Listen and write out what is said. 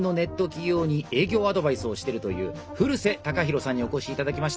企業に営業アドバイスをしてるという古瀬貴大さんにお越し頂きました。